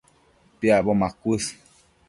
Piacbo macuës